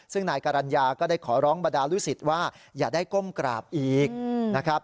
ซึ่งนายกรรณญาก็ได้ขอร้องบรรดาลูกศิษย์ว่าอย่าได้ก้มกราบอีกนะครับ